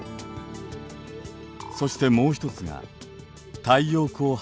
そしてもう一つが太陽光発電です。